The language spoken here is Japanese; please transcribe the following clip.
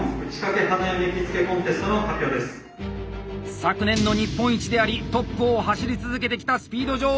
昨年の日本一でありトップを走り続けてきた「スピード女王」